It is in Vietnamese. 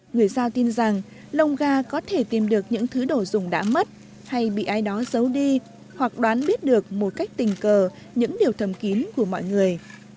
người giao tin rằng lông gà có thể tìm được những thứ đồ dùng đã mất hay bị ai đó giấu đi hoặc đoán biết được một cách tình cờ những điều thầm kín của mọi người